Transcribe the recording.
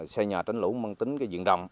xây nhà tránh lũ mang tính diện rộng